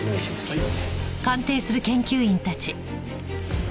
はい。